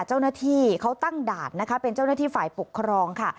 เจ้าหน้าที่เขาตั้งด่านนะคะเป็นเจ้าหน้าที่ฝ่ายปกครองค่ะ